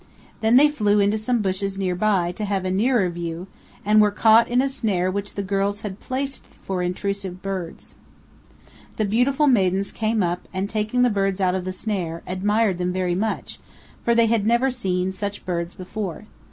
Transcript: Then they flew into some bushes near by, to have a nearer view, and were caught in a snare which the girls had placed for intrusive birds. THE RIO VIRGEN AND THE UINKARET MOUNTAINS. 309 The beautiful maidens came up and, taking the birds out of the snare, admired them very much, for they had never seen such birds before.